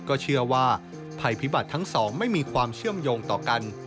ก็เชื่อว่าภัยพิบัติทั้งสองไม่มีความเชื่อมโยงต่อกัน